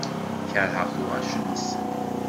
Keṛheɣ tuɣac-nsen.